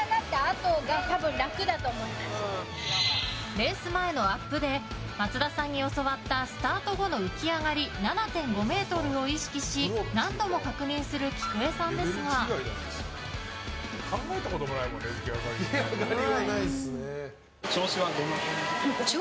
レース前のアップで松田さんに教わったスタート後の浮き上がり７．５ｍを意識し何度も確認するきくえさんですが松田さん直伝のスタートからの浮き上がり